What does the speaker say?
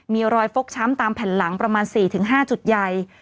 มีรอยฟกช้ำตามแผ่นหลังประมาณ๔๕จุดใหญ่